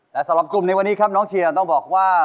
และสำหรับกลุ่มในวันนี้ครับน้องเชียวแล้วถ้าว่า